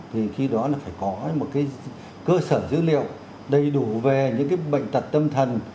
thì khi đó là phải có một cơ sở dữ liệu đầy đủ về những bệnh tật tâm thần